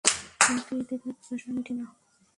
কিন্তু এতে তার পিপাসা মিটে না।